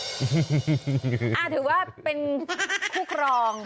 ถือว่าเป็นคุกรอง